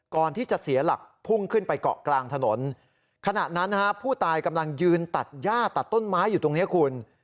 ก่อนที่จะเสียหลักพุ่งขึ้นไปเกาะกลางถนนขณะนั้นนะฮะผู้ตายกำลังยืนตัดย่าตัดต้นไม้อยู่ตรงนี้คุณ